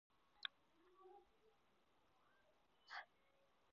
زموږ ولس د ودونو لپاره کوم ځانګړی نرخ نه لري.